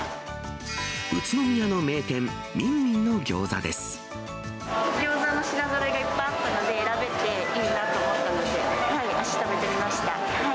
宇都宮の名店、みんみんのギギョーザの品ぞろえがいっぱいあったので、選べていいなと思ったので、足、止めてみました。